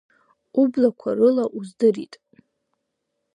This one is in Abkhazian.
Ублақәа рыла уздырит.